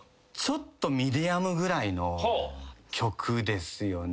ちょっとミディアムぐらいの曲ですよね。